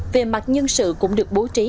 về mặt nhân sự cũng được bố trí